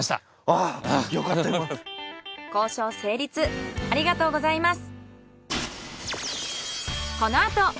ありがとうございます。